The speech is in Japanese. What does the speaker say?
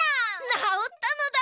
なおったのだ！